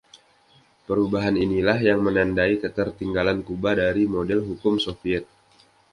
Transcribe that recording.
Perubahan inilah yang menandai ketertinggalan Kuba dari model hukum Soviet.